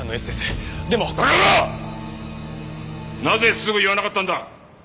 なぜすぐ言わなかったんだ？